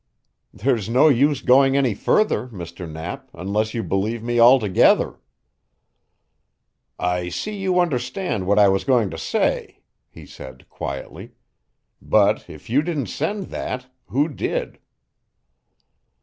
"There's no use going any further, Mr. Knapp, unless you believe me altogether." "I see you understand what I was going to say," he said quietly. "But if you didn't send that, who did?"